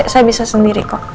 saya bisa sendiri kok